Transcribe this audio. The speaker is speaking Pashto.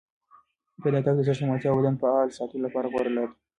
پیاده تګ د زړه سلامتیا او د بدن فعال ساتلو لپاره غوره لاره ده.